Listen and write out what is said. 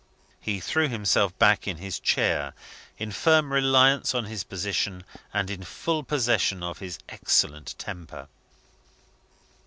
He threw himself back in his chair, in firm reliance on his position, and in full possession of his excellent temper.